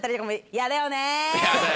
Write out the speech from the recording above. やだよね。